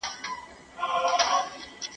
آیا ساینس زموږ په ادبي څېړنو کې ځای لري؟